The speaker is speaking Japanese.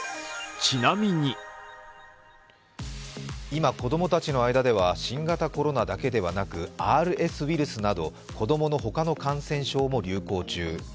今、子供たちの間では新型コロナだけではなくＲＳウイルスなど子供のほかの感染症も流行中。